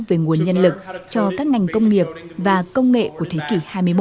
về nguồn nhân lực cho các ngành công nghiệp và công nghệ của thế kỷ hai mươi một